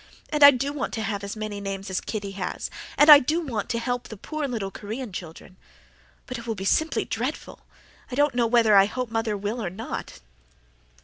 And I DO want to have as many names as Kitty has. And I DO want to help the poor little Korean children. But it will be simply dreadful. I don't know whether I hope mother will or not."